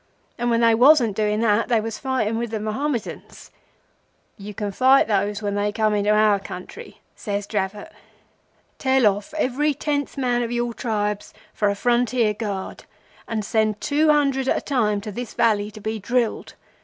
And when they wasn't doing that they was fighting with the Mohammedans. 'You can fight those when they come into our country,' says Dravot. 'Tell off every tenth man of your tribes for a Frontier guard, and send two hundred at a time to this valley to be drilled.